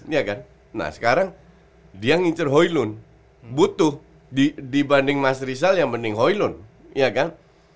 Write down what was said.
iya kan nah sekarang dia ngincer hoilun butuh dibanding mas rizal yang mending hoylun ya kan